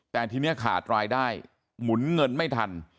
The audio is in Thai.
แต่ทีนี้ขาดรายได้หมุนเงินไม่ทัน